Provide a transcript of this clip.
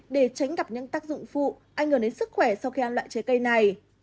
để tránh gặp những tác dụng phụ ảnh hưởng đến sức khỏe sau khi ăn loại trái cây này